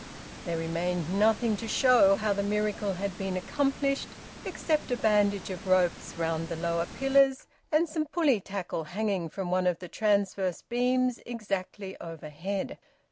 There remained nothing to show how the miracle had been accomplished, except a bandage of ropes round the lower pillars and some pulley tackle hanging from one of the transverse beams exactly overhead.